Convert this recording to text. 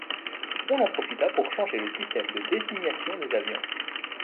On en profita pour changer le système de désignation des avions.